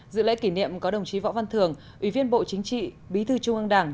dự lễ kỷ niệm có đồng chí võ văn thường ủy viên bộ chính trị bí thư trung ương đảng